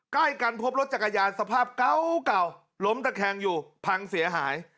ใกล้กันพบรถจักรยานสภาพเก่าล้มตะแคงอยู่พังเสียหาย